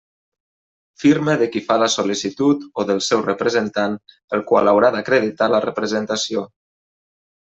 Firma de qui fa la sol·licitud o del seu representant, el qual haurà d'acreditar la representació.